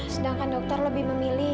sedangkan dokter lebih memilih